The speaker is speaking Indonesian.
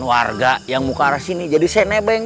warga yang mengarah sini jadi saya nebeng